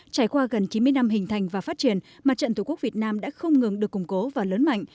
trải qua gần chín mươi năm hình thành và phát triển mặt trận tổ quốc việt nam đã không ngừng được củng cố và lớn mạnh